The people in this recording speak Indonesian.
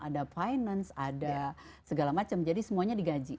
ada finance ada segala macam jadi semuanya digaji